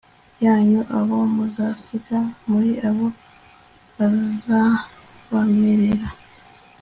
yanyu abo muzasiga muri bo bazabamerera